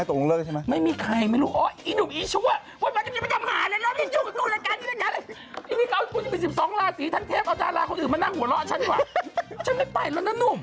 ฉันกว่าฉันไม่ไปแล้วนะหนุ่มแล้วถ้าจะส่องล่าสีอ่ะบ้าหรือเปล่าไม่รู้